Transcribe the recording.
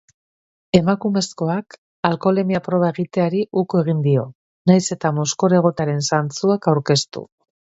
Emakumezkoak alkoholemia-proba egiteari uko egin dio, nahiz eta mozkor egotearen zantzuak aurkeztu.